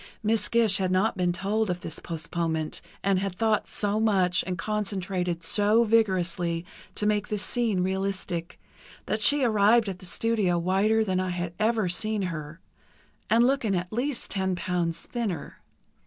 Miss Gish had not been told of this postponement, and had thought so much and concentrated so vigorously to make this scene realistic, that she arrived at the studio whiter than I had ever seen her and looking at least ten pounds thinner.